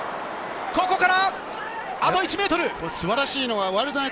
ここからあと１ｍ。